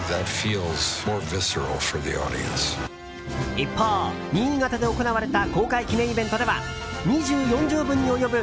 一方、新潟で行われた公開記念イベントでは２４畳分に及ぶ